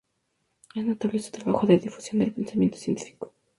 Es notable su trabajo de difusión del pensamiento científico.